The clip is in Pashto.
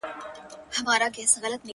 ته به د غم يو لوى بيابان سې گرانــــــي.